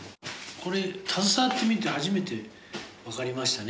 これ携わってみて初めてわかりましたね。